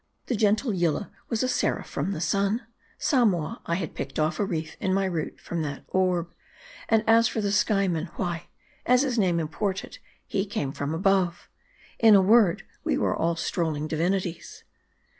The gentle Yillah was a seraph from the sun ; Samoa I had picked off a reef in my route from that orb ; and as for the Skyeman, why, as his name imported, he came from above. In a word, we were all strolling divinities.